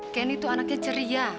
candy itu anaknya ceria